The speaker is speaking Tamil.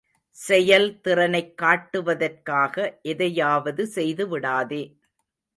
செயல்திறனைக் காட்டுவதற்காக எதையாவது செய்துவிடாதே.